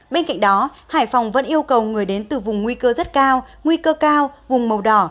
bên cạnh đó hải phòng vẫn yêu cầu người đến từ vùng nguy cơ rất cao nguy cơ cao vùng màu đỏ